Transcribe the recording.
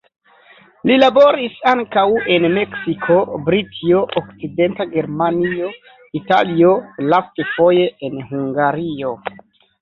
Li laboris ankaŭ en Meksiko, Britio, Okcidenta Germanio, Italio, lastfoje en Hungario.